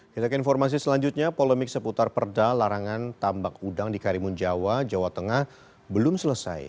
kita ke informasi selanjutnya polemik seputar perda larangan tambak udang di karimun jawa jawa tengah belum selesai